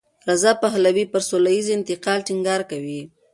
رضا پهلوي پر سولهییز انتقال ټینګار کوي.